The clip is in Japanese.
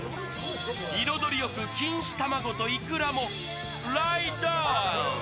彩りよく錦糸卵といくらもライドオン！